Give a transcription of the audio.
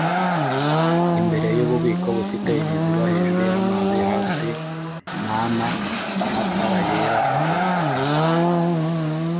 imbere mububiko bufite ibiziba hejuru y'amazi hasi nana matara yera kurukuta